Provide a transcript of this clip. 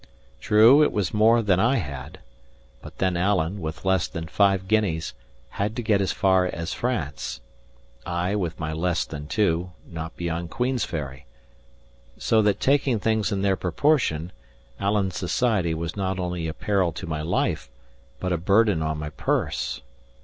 True, it was more than I had. But then Alan, with less than five guineas, had to get as far as France; I, with my less than two, not beyond Queensferry; so that taking things in their proportion, Alan's society was not only a peril to my life, but a burden on my purse.